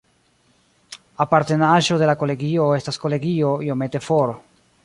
Apartenaĵo de la kolegio estas kolegio iomete for.